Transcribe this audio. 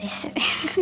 フフフ！